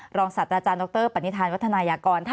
หลองสัตว์อาจารย์ดรปัณิธรวัฒนายากร